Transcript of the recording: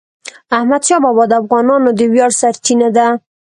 احمدشاه بابا د افغانانو د ویاړ سرچینه ده.